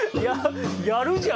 やるじゃん！